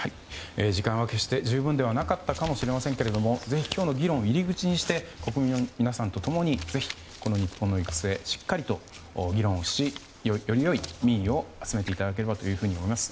時間は決して十分ではなかったかもしれませんがぜひ今日の議論を入り口にして国民の皆さんと共にぜひこの日本の行く末しっかりと議論をしより良い民意を集めていただければと思います。